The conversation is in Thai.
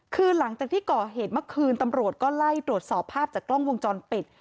คือหลังจากที่ก่อเหตุเมื่อคืนตำรวจก็ไล่ตรวจสอบภาพจากกล้องวงจรปิด